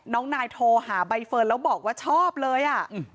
น้องนายโทรหาใบเฟิร์นแล้วบอกว่าชอบเลย